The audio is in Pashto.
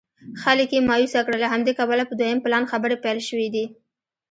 خلک یې مایوسه کړل له همدې کبله په دویم پلان خبرې پیل شوې دي.